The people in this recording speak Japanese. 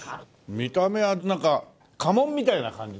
見た目はなんか家紋みたいな感じだね。